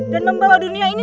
dan membawa dunia ini